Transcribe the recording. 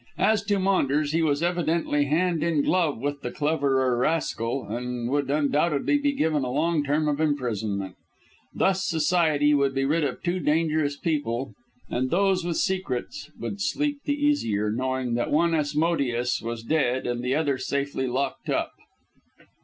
As to Maunders, he was evidently hand in glove with the cleverer rascal, and would undoubtedly be given a long term of imprisonment. Thus society would be rid of two dangerous people, and those with secrets would sleep the easier, knowing that one Asmodeus was dead and the other safely locked up.